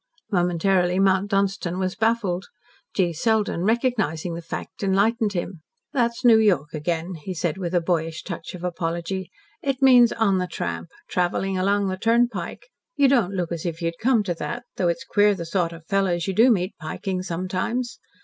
Momentarily Mount Dunstan was baffled. G. Selden, recognising the fact, enlightened him. "That's New York again," he said, with a boyish touch of apology. "It means on the tramp. Travelling along the turnpike. You don't look as if you had come to that though it's queer the sort of fellows you do meet piking sometimes.